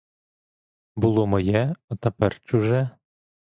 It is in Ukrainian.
Було моє, а тепер чуже.